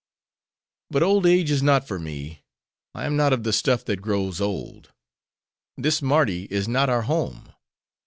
But old age is not for me. I am not of the stuff that grows old. This Mardi is not our home.